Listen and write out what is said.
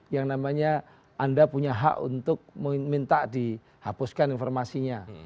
yang namanya anda punya hak untuk minta dihapuskan informasinya